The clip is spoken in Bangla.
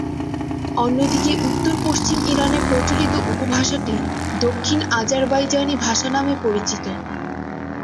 অন্যদিকে উত্তর-পশ্চিম ইরানে প্রচলিত উপভাষাটি দক্ষিণ আজারবাইজানি ভাষা নামে পরিচিত।